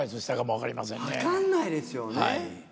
分かんないですよね。